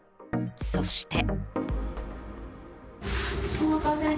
そして。